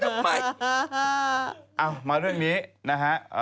เอามาเรื่องนี้นะฮะ